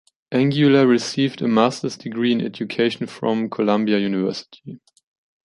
Angula received a master's degree in education from Columbia University.